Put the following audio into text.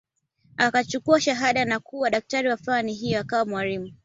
Akachukua shahada na kuwa daktari wa fani hiyo akawa mwalimu